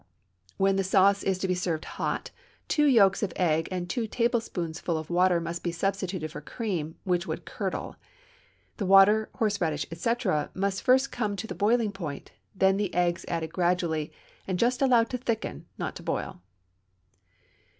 When the sauce is to be served hot, two yolks of egg and two tablespoonfuls of water must be substituted for cream, which would curdle. The water, horseradish, etc., must first come to the boiling point, then the eggs added gradually, and just allowed to thicken, not to boil.